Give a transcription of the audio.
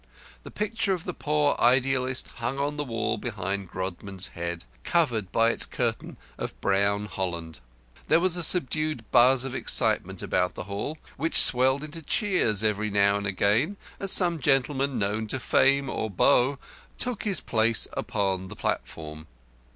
The picture of the poor idealist hung on the wall behind Grodman's head, covered by its curtain of brown holland. There was a subdued buzz of excitement about the hall, which swelled into cheers every now and again as some gentleman known to fame or Bow took his place upon the platform.